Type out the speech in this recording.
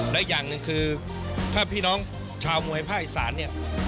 และอย่างหนึ่งคือถ้าพี่น้องชาวมวยภาคอีสานเนี่ย